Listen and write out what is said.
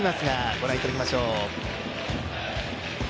ご覧いただきましょう。